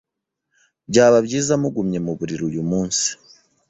Byaba byiza mugumye mu buriri uyu munsi.